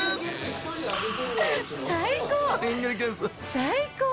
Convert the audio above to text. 最高！